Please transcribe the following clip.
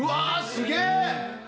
すげえ！